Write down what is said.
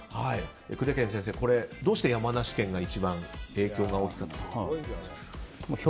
久手堅先生、どうして山梨県が一番影響が大きいんでしょうか。